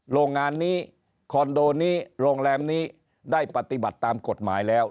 โรงงานนี้คอนโดนี้โรงแรมนี้ได้ปฏิบัติตามกฎหมายแล้ว